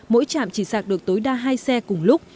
mỗi chạm chỉ sạc được tối đa hai xe cùng lúc